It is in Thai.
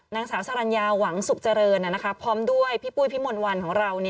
นางสาวสรรญาหวังสุขเจริญพร้อมด้วยพี่ปุ้ยพี่มนต์วันของเรา